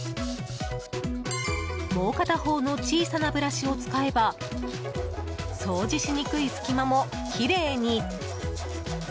もう片方の小さなブラシを使えば掃除しにくい隙間もきれいに。